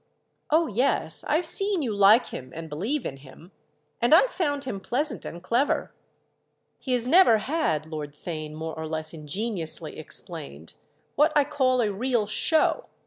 "Oh yes, I've seen you like him and believe in him—and I've found him pleasant and clever." "He has never had," Lord Theign more or less ingeniously explained, "what I call a real show."